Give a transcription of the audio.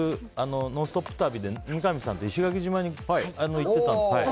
ノンストップ旅で三上さんと石垣島に行ってたんです。